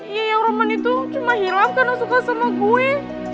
ya ya roman itu cuma hirap karena suka sama gue